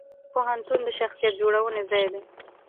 پوهنتون د شخصیت جوړونې ځای دی.